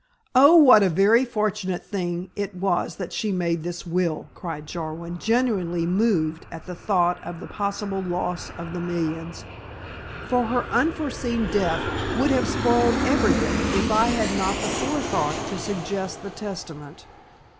Oh, what a very fortunate thing it was that she made this will," cried Jarwin, genuinely moved at the thought of the possible loss of the millions, "for her unforeseen death would have spoiled everything if I had not the forethought to suggest the testament."